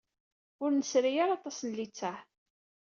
Ur nesri ara aṭas n littseɛ.